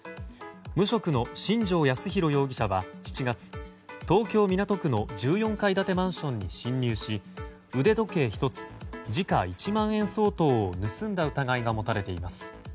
無職の新城康浩容疑者は７月東京・港区の１４階建てマンションに侵入し腕時計１つ時価１万円相当を盗んだ疑いが持たれています。